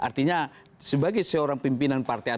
artinya sebagai seorang pimpinan partai